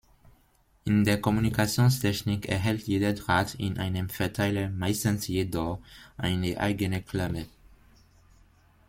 In der Kommunikationstechnik erhält jeder Draht in einem Verteiler meistens jedoch eine eigene Klemme.